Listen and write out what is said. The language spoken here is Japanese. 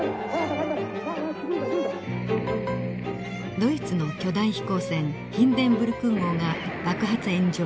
ドイツの巨大飛行船ヒンデンブルク号が爆発炎上。